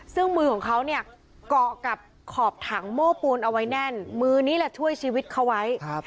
ซึ่งมือของเขาเนี่ยเกาะกับขอบถังโม้ปูนเอาไว้แน่นมือนี้แหละช่วยชีวิตเขาไว้